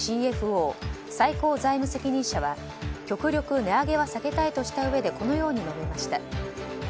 ＣＦＯ・最高財務責任者は極力、値上げは下げたいとしたうえでこのように述べました。